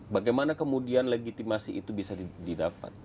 bagaimana kemudian legitimasi itu bisa didapat